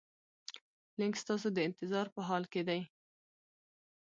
لینک ستاسو د انتظار په حال کې دی.